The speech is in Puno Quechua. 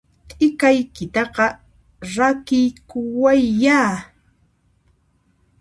T'ikaykitaqa rakiykuwayyá!